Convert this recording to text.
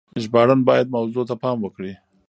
ژباړن بايد موضوع ته پام وکړي.